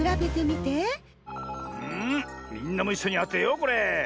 みんなもいっしょにあてようこれ。